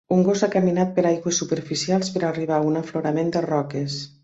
Un gos ha caminat per aigües superficials per arribar a un aflorament de roques.